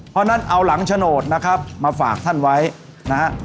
เพราะฉะนั้นเอาหลังโฉนดนะครับมาฝากท่านไว้นะฮะ